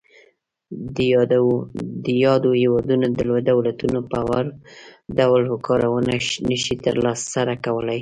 د یادو هیوادونو دولتونه په وړ ډول کارونه نشي تر سره کولای.